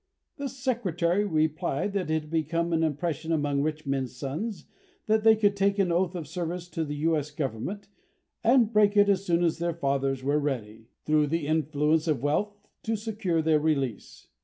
The Secretary replied that it had become an impression among rich men's sons that they could take an oath of service to the U.S. Government, and break it as soon as their fathers were ready, through the influence of wealth, to secure their release.